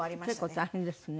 結構大変ですね。